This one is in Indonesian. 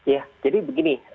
ya jadi begini